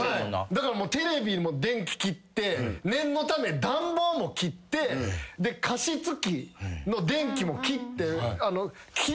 だからテレビも電気切って念のため暖房も切って加湿器の電気も切って。